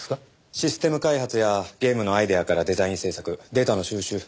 システム開発やゲームのアイデアからデザイン制作データの収集。